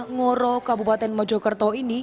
ngoro kabupaten mojokerto ini